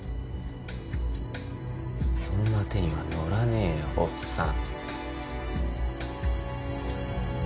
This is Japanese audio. そんな手には乗らねえよおっさん。